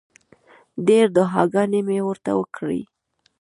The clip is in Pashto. ډېرې دعاګانې مې ورته وکړې.